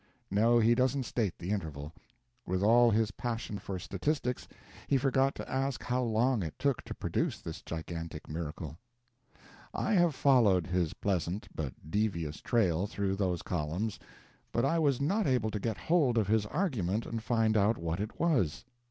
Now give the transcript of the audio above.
No, he doesn't state the interval. With all his passion for statistics he forgot to ask how long it took to produce this gigantic miracle. I have followed his pleasant but devious trail through those columns, but I was not able to get hold of his argument and find out what it was.